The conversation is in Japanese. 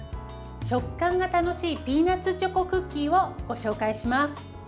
食感が楽しいピーナツチョコクッキーをご紹介します。